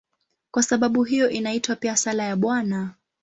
Kwa sababu hiyo inaitwa pia "Sala ya Bwana".